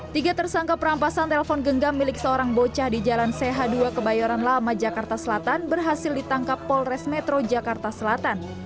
tiga tersangka perampasan telpon genggam milik seorang bocah di jalan ch dua kebayoran lama jakarta selatan berhasil ditangkap polres metro jakarta selatan